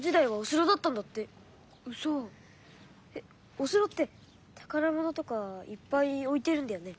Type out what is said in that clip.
お城ってたからものとかいっぱいおいてるんだよね。